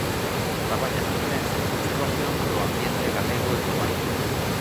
Traballa na defensa e conservación do ambiente galego e global.